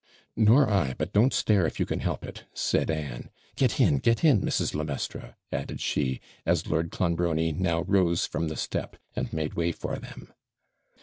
'Nor I; but don't stare if you can help it,' said Anne. 'Get in, get in, Mrs. le Maistre,' added she, as Lord Clonbrony now rose from the step, and made way for them.